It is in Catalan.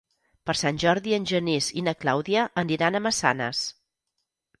Per Sant Jordi en Genís i na Clàudia aniran a Massanes.